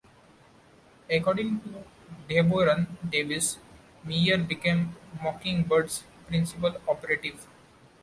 According to Deborah Davis, Meyer became Mockingbird's principal operative.